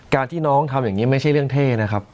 ที่น้องทำอย่างนี้ไม่ใช่เรื่องเท่นะครับ